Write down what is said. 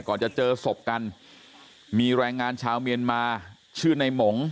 ก่อนจะเจอศพกันมีแรงงานชาวเมียนมาชื่อในหมง